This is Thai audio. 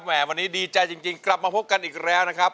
วันนี้ดีใจจริงกลับมาพบกันอีกแล้วนะครับ